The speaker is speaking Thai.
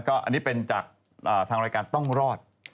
อันนี้เป็นจากทางรายการต้องรอด